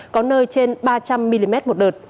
có nơi trên ba trăm linh mm một đợt